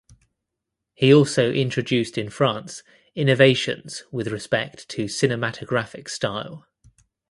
He also introduced in France innovations with respect to cinematographic style.